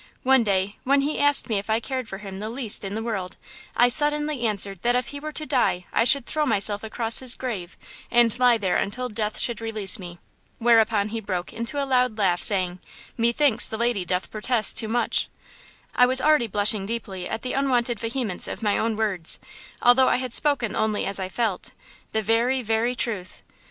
One day, when he asked me if I cared for him the least in the world, I suddenly answered that if he were to die I should throw myself across his grave and lie there until death should release me! whereupon he broke into a loud laugh, saying, 'Methinks the lady doth protest too much.' I was already blushing deeply at the unwonted vehemence of my own words, although I had spoken only as I felt–the very, very truth.